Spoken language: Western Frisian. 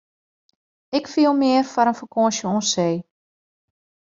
Ik fiel mear foar in fakânsje oan see.